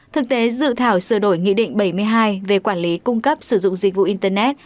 thực tế dự thảo sửa đổi nghị định bảy mươi hai về quản lý cung cấp sử dụng dịch vụ internet